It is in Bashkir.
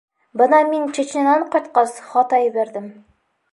Бына мин Чечнянан ҡайтҡас, хата ебәрҙем.